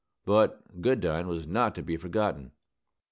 But Goodine was not to be forgotten.